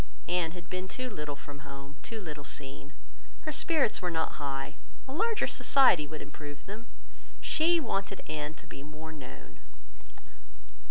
Anne had been too little from home, too little seen. Her spirits were not high. A larger society would improve them. She wanted her to be more known.